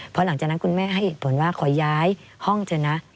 เพราะหลังจากนั้นคุณแม่ให้เหตุผลว่าขอย้ายห้องเถอะนะ